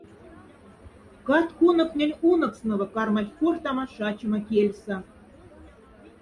Катк уноконтень уноксновок кармайхть корхтама шачема кяльса.